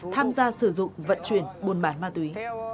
tham gia sử dụng vận chuyển buôn bán ma túy